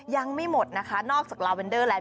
ยังไม่หมดนะคะนอกจากลาเวนเดอร์แล้ว